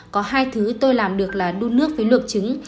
có hai thứ tôi làm được là đun nước với luộc trứng